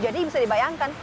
jadi bisa dibayangkan